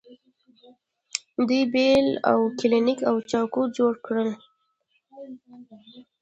دوی بیل او کلنګ او چاقو جوړ کړل.